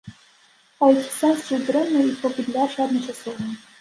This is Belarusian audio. А які сэнс жыць дрэнна і па-быдлячы адначасова?